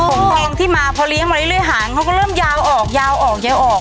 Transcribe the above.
ครับโอ้หงทองที่มาพลิกมานิดนึงหางเขาก็เริ่มยาวออกยาวออกยาวออก